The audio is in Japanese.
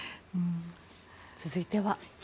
続いては。